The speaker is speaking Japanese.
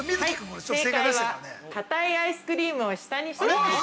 ◆正解は、かたいアイスクリームを下にしています。